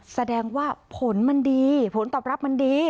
แสดงว่าผลมันดีผลตอบรับมันดี